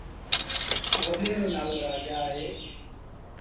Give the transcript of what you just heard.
وڏي رو نآلو رآجآ اهي